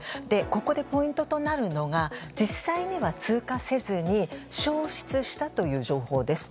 ここでポイントとなるのが実際には通過せずに消失したという情報です。